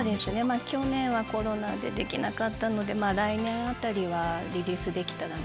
去年はコロナでできなかったのでまぁ来年あたりはリリースできたらなと。